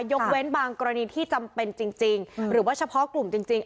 ยกเว้นบางกรณีที่จำเป็นจริงหรือว่าเฉพาะกลุ่มจริง